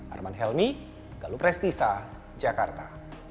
arman helmy galu prestisa jakarta